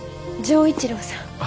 錠一郎さん。